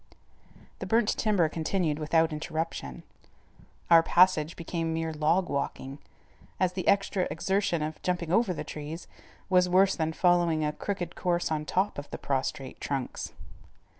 The burnt timber continued without interruption. Our passage became mere log walking, as the extra exertion of jumping over the trees was worse than following a crooked course on top of the prostrate trunks.